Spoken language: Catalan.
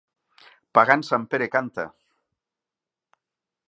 Pagant Sant Pere canta!